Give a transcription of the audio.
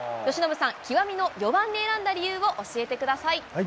由伸さん、極みの４番に選んだ理由を教えてください。